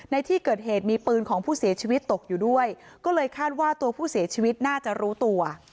ในที่เกิดเหตุมีปืนของผู้เสียชีวิตตกอยู่ด้วยก็เลยคาดว่าตัวผู้เสียชีวิตน่าจะรู้ตัว